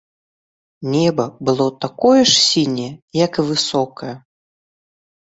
Неба было такое ж сіняе, як і высокае.